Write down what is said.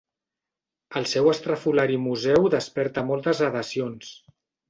El seu estrafolari museu desperta moltes adhesions.